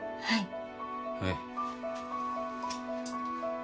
はい。